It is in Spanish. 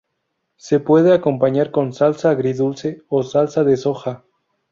Se pueden acompañar con salsa agridulce o salsa de soja.